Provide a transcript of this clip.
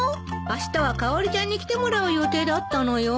あしたはかおりちゃんに来てもらう予定だったのよ。